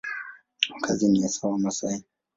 Wakazi ni hasa Wamasai.